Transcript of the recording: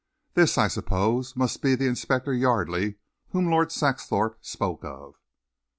This, I suppose, must be the Inspector Yardley whom Lord Saxthorpe spoke of."